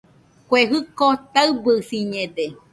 Kue jɨko taɨbɨsiñede